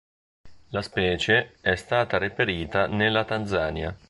La specie è stata reperita nella Tanzania.